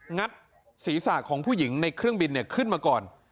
งัดศีรษะของผู้หญิงในเครื่องบินขึ้นมาก่อน